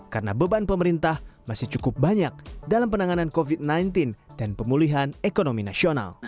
karena beban pemerintah masih cukup banyak dalam penanganan covid sembilan belas dan pemulihan ekonomi nasional